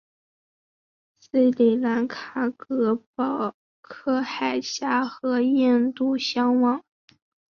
斯里兰卡隔保克海峡和印度相望。